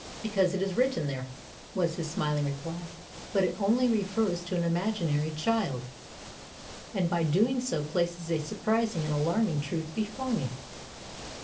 Because it is written there," was his smiling reply. "But it only refers to an imaginary child, and, by so doing, places a surprising and alarming truth before me."